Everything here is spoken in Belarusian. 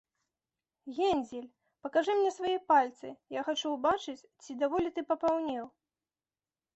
- Гензель, пакажы мне свае пальцы, я хачу ўбачыць, ці даволі ты папаўнеў